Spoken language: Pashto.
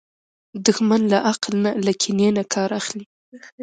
دښمن له عقل نه، له کینې نه کار اخلي